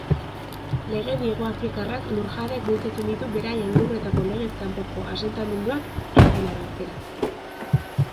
Legedi hegoafrikarrak lurjabeak bultzatzen ditu beraien lurretako legez kanpoko asentamenduak irtenaraztera.